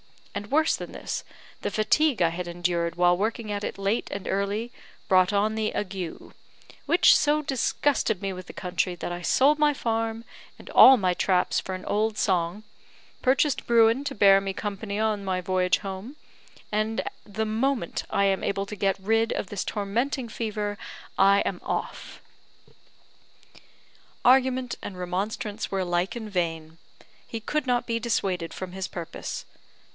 And worse than this, the fatigue I had endured while working at it late and early, brought on the ague; which so disgusted me with the country that I sold my farm and all my traps for an old song; purchased Bruin to bear me company on my voyage home; and the moment I am able to get rid of this tormenting fever, I am off." Argument and remonstrance were alike in vain, he could not be dissuaded from his purpose.